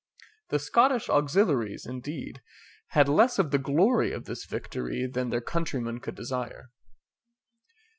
The Scottish auxiliaries, indeed, had less of the glory of this victory than their countrymen could desire.